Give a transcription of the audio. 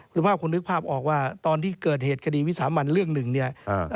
สุภาพคงนึกภาพออกว่าตอนที่เกิดเหตุคดีวิสามันเรื่องหนึ่งเนี่ย